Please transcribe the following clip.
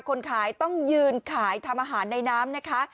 คนขายต้องยืนขายทำอาหารในน้ำนะคะ